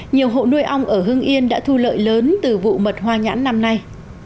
nhiều hộ nuôi ong ở hương yên đã thu lợi lớn từ vụ mật hoa nhãn năm nay